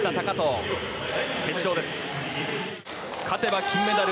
勝てば金メダル。